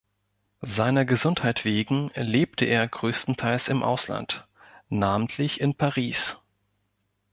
Seiner Gesundheit wegen lebte er größtenteils im Ausland, namentlich in Paris.